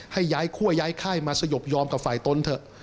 ให้ย้ายคั่วย้ายค่ายมาสยบยอมกับฝ่ายตนเถอะ